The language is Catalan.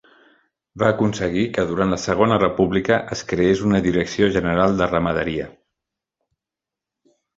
Va aconseguir que durant la Segona República es creés una Direcció general de Ramaderia.